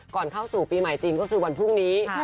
เข้าสู่ปีใหม่จีนก็คือวันพรุ่งนี้